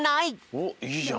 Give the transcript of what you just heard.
おっいいじゃん。